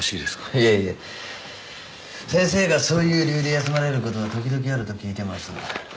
いえいえ先生がそういう理由で休まれることは時々あると聞いてます